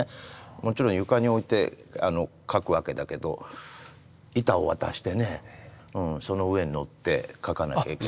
もちろん床に置いて描くわけだけど板を渡してねその上に乗って描かなきゃいけない。